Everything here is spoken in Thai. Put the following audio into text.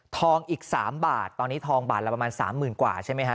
ทองอีก๓บาทตอนนี้ทองบาทละประมาณ๓๐๐๐๐กว่าใช่ไหมฮะ